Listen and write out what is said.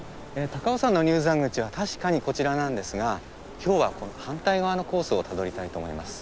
高尾山の入山口は確かにこちらなんですが今日は反対側のコースをたどりたいと思います。